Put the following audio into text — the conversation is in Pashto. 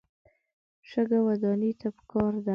شګه ودانۍ ته پکار ده.